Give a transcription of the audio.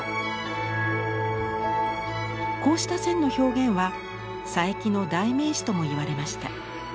こうした線の表現は佐伯の代名詞ともいわれました。